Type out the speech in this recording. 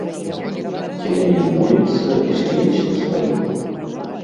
Селянін муліцца і стаіць на сваім.